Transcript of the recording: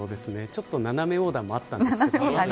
ちょっと斜め横断もあったんですけど。